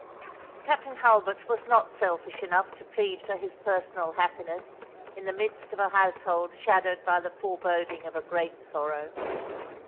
Captain Hulbert was not selfish enough to plead for his personal happiness in the midst of a household shadowed by the foreboding of a great sorrow.